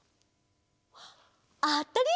あったり！